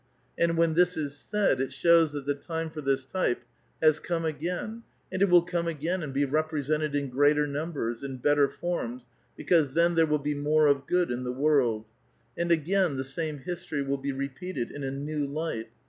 And when ') this is said, it shows that the time for this type has come again, and it will come again and be represented in greater numbers, in better forms, because then there will be more of good in the world ; and again the same history will be repeated in a new light.